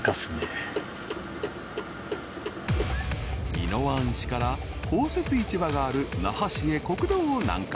［宜野湾市から公設市場がある那覇市へ国道を南下］